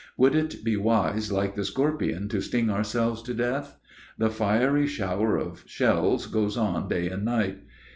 Would it be wise like the scorpion to sting ourselves to death? The fiery shower of shells goes on day and night.